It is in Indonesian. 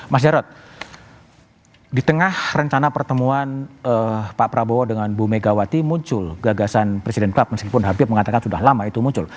mas jarod di tengah rencana pertemuan pak prabowo dengan bu megawati muncul gagasan presiden klub meskipun habib mengatakan sudah lama itu muncul